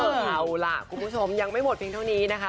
เอาล่ะคุณผู้ชมยังไม่หมดเพียงเท่านี้นะคะ